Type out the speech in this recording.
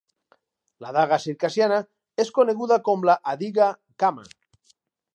La daga circassiana és coneguda com la "adigha gkama".